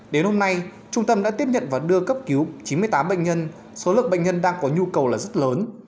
đến hôm nay trung tâm đã tiếp nhận và đưa cấp cứu chín mươi tám bệnh nhân số lượng bệnh nhân đang có nhu cầu là rất lớn